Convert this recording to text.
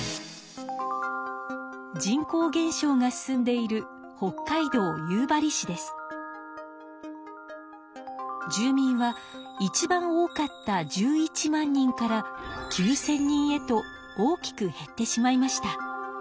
人口減少が進んでいる住民はいちばん多かった１１万人から９千人へと大きく減ってしまいました。